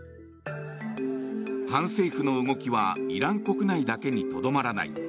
反政府の動きはイラン国内だけにとどまらない。